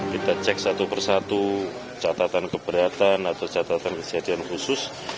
kita cek satu persatu catatan keberatan atau catatan kejadian khusus